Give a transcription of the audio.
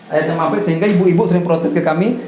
airnya mampet sehingga ibu ibu sering protes ke kami